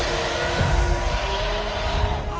あ。